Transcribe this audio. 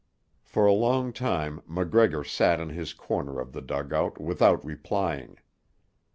For a long time MacGregor sat in his corner of the dugout without replying.